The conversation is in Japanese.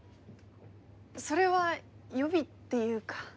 それは予備っていうか。